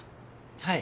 はい。